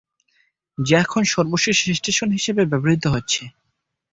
যা এখন সর্বশেষ স্টেশন হিসেবে ব্যবহৃত হচ্ছে।